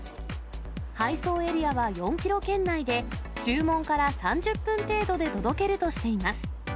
配送エリアは４キロ圏内で、注文から３０分程度で届けるとしています。